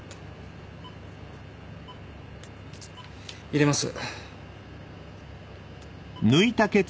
入れます